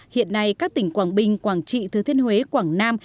hiện nay các tỉnh quảng bình quảng trị thứ thiên huế quảng nam